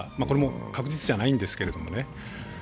これも確実じゃないんですけれどもね。